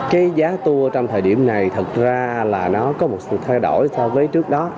cái giá tour trong thời điểm này thật ra là nó có một sự thay đổi so với trước đó